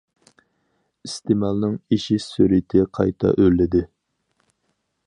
ئىستېمالنىڭ ئېشىش سۈرئىتى قايتا ئۆرلىدى.